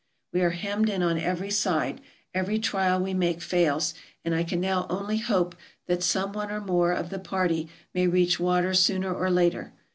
We are hemmed in on every side ; every trial we make fails, and I can now only hope that some one or more of the party may reach water sooner or later.